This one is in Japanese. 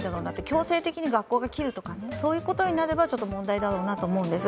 強制的に学校が切るとかそういうことになればちょっと問題だろうなと思うんです。